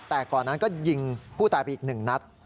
แต่ก่อนนั้นก็ยิงผู้ตายไปอีกหนึ่งนัด